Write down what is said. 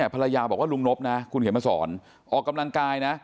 ภรรยาบอกว่าลุงนบนะคุณเขียนมาสอนออกกำลังกายนะ